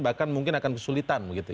bahkan mungkin akan kesulitan begitu ya